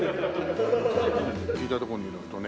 聞いたとこによるとね